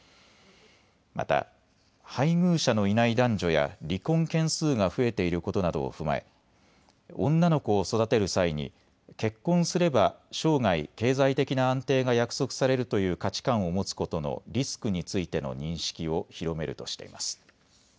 また、配偶者のいない男女や離婚件数が増えていることなどを踏まえ女の子を育てる際に結婚すれば生涯、経済的な安定が約束されるという価値観を持つことのリスクについての認識を広めるとしています。